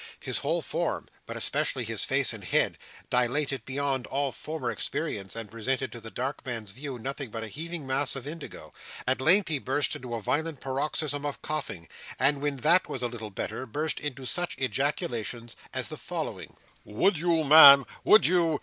His whole form, but especially his face and head, dilated beyond all former experience; and presented to the dark man's view, nothing but a heaving mass of indigo. At length he burst into a violent paroxysm of coughing, and when that was a little better burst into such ejaculations as the following: "Would you, Ma'am, would you?